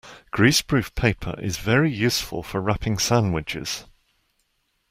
Greaseproof paper is very useful for wrapping sandwiches